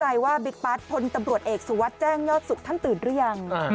ใจว่าบิ๊กปั๊ดพลตำรวจเอกสุวัสดิ์แจ้งยอดสุขท่านตื่นหรือยัง